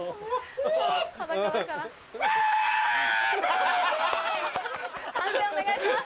フゥ‼判定お願いします。